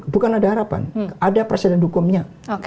bukan ada harapan ada presiden hukumnya